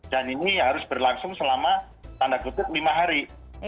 dan ini harus berlangsung selama tanda kutip lima hari